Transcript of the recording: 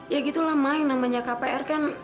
ya gitulah ma yang namanya kpr kan